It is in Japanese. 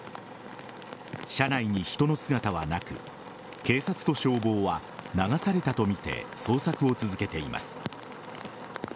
車内に人の姿はなく警察と消防は流されたとみて捜索を続けています。